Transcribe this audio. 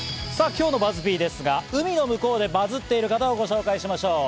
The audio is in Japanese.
今日のＢＵＺＺ−Ｐですが、海の向こうでバズっている方をご紹介しましょう。